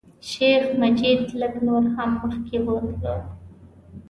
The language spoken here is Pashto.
شیخ مجید لږ نور هم مخکې بوتلو.